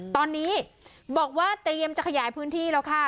ตอนนี้บอกว่าเตรียมจะขยายพื้นที่แล้วค่ะ